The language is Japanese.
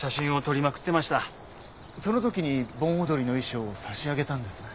そのときに盆踊りの衣装を差し上げたんですね。